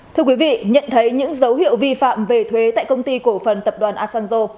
thưa quý vị nhận thấy những dấu hiệu vi phạm về thuế tại công ty cổ phần tập đoàn asanzo